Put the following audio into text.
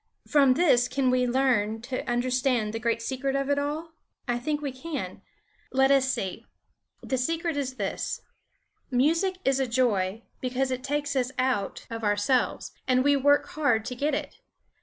From this can we learn to understand the great secret of it all? I think we can. Let us see! The secret is this: Music is a joy because it takes us out of ourselves and we work hard to get it.